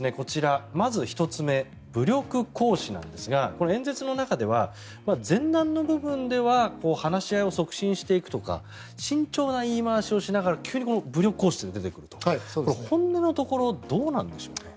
まず１つ目、武力行使なんですがこれ、演説の中では前段の部分では話し合いを促進していくとか慎重な言い回しをしながら急に武力行使と出てくると本音のところどうなんでしょうね？